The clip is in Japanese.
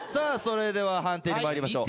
判定に参りましょう。